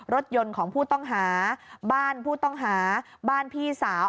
รถยนต์ของผู้ต้องหาบ้านผู้ต้องหาบ้านพี่สาว